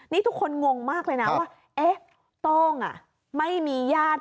นี่ทุกคนงงมากเลยนะว่าเอ๊ะโต้งไม่มีญาติ